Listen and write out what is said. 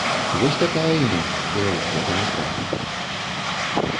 Вось такая яна, беларуская дэмакратыя.